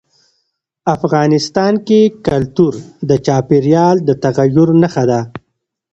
افغانستان کې کلتور د چاپېریال د تغیر نښه ده.